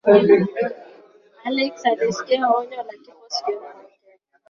alex alisikia onyo la kifo sikioni mwake